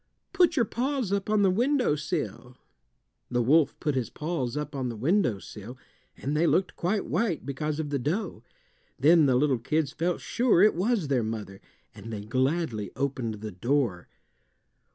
"Put your paws up on the windowsill." The wolf put his paws up on the windowsill, and they looked quite white because of the dough. Then the little kids felt sure it was their mother, and they gladly opened the door.